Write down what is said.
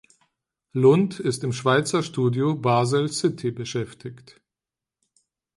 Lund ist im Schweizer Studio Basel-City beschäftigt.